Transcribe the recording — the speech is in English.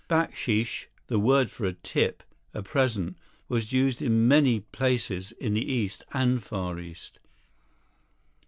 Baksheesh, the word for a tip, a present, was used in many places in the East and Far East.